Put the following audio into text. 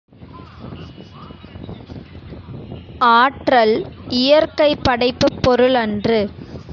ஆற்றல் இயற்கை படைப்புப் பொருளன்று.